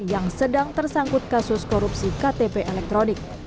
yang sedang tersangkut kasus korupsi ktp elektronik